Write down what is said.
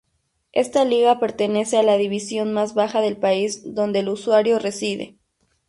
Esta liga pertenece a la división más baja del país donde el usuario reside.